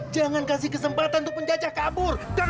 jangan kasih kesempatan untuk penjajah kabur